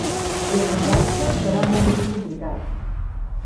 Si es relaxa, serà molt més complicat.